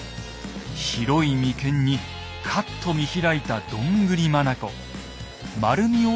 広い眉間にカッと見開いたどんぐり眼。